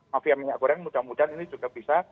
mafia minyak goreng mudah mudahan ini juga bisa